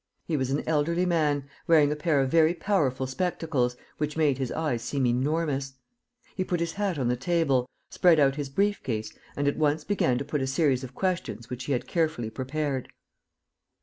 He was an elderly man, wearing a pair of very powerful spectacles, which made his eyes seem enormous. He put his hat on the table, spread out his brief case and at once began to put a series of questions which he had carefully prepared.